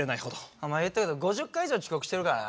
お前言っとくけど５０回以上遅刻してるからな。